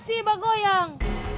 masih bah goyang